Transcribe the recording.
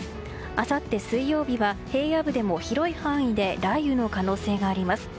あさって水曜日は平野部でも広い範囲で雷雨の可能性があります。